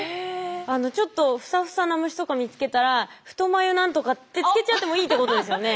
ちょっとふさふさな虫とか見つけたらフトマユ何とかってつけちゃってもいいってことですよね。